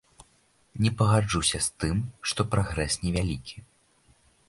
Не пагаджуся з тым, што прагрэс невялікі.